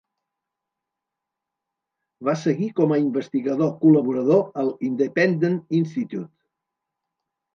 Va seguir com a investigador col·laborador al Independent Institute.